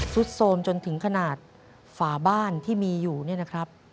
สุดโทรมจนถึงขนาดฝาบ้านที่มีอยู่เนี่ยนะครับ